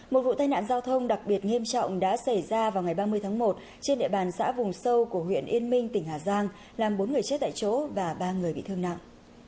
một vụ tai nạn giao thông đặc biệt nghiêm trọng đã xảy ra vào ngày ba mươi tháng một trên địa bàn xã vùng sâu của huyện yên minh tỉnh hà giang làm bốn người chết tại chỗ và ba người bị thương nặng